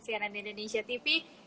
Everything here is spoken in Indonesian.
cnn indonesia tv